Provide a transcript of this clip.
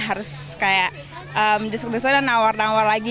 harus kayak desek desek dan nawar nawar lagi